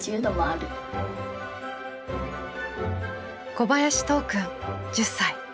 小林都央くん１０歳。